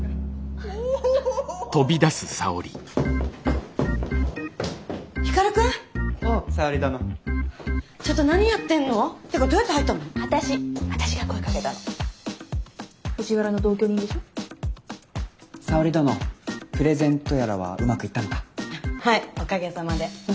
はいおかげさまで。